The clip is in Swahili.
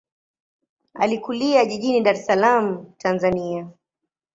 Alikulia jijini Dar es Salaam, Tanzania.